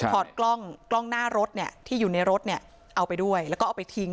ถอดกล้องหน้ารถที่อยู่ในรถเอาไปด้วยแล้วก็เอาไปทิ้ง